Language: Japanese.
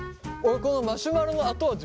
このマシュマロの後味